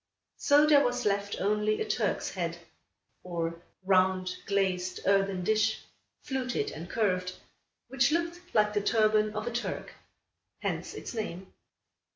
So there was left only a Turk's Head, or round glazed earthen dish, fluted and curved, which looked like the turban of a Turk. Hence its name.